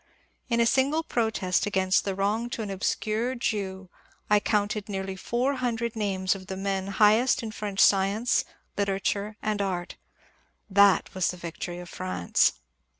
In a single protest against the wrong to an obscure Jew I counted nearly four hundred names of the men highest in French science, literature, and art. That was the victory of France.